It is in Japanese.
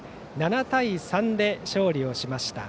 ７対３で勝利をしました。